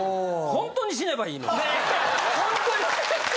ホントに死ねばいいのに。